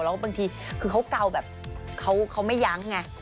แล้วบางทีคือเขาเกาแบบเขาไม่ยั้งไง